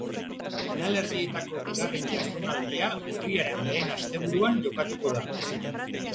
Finalerdietako bigarren jardunaldia urriaren lehen asteburuan jokatuko da.